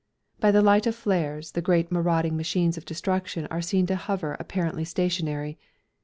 By the light of flares the great marauding machines of destruction are seen to hover apparently stationary.